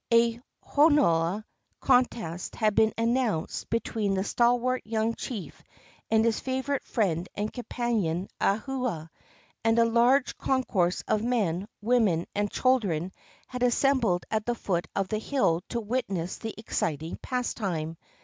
A holua contest had been announced between the stalwart young chief and his favorite friend and companion, Ahua, and a large concourse of men, women, and chil dren had assembled at the foot of the hill to witness the exciting pastime.